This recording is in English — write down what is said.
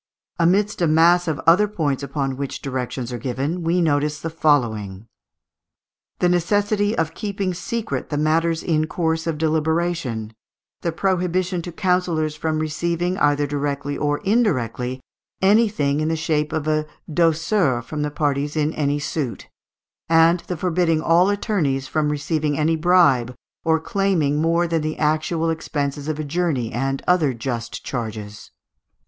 Amidst a mass of other points upon which directions are given, we notice the following: the necessity of keeping secret the matters in course of deliberation; the prohibition to councillors from receiving, either directly or indirectly, anything in the shape of a douceur from the parties in any suit; and the forbidding all attorneys from receiving any bribe or claiming more than the actual expenses of a journey and other just charges.